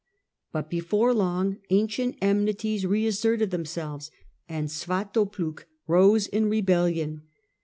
But before long ancient enmities reasserted themselves, and Suatopluk rose in rebellion.